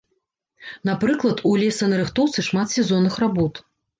Напрыклад, у лесанарыхтоўцы шмат сезонных работ.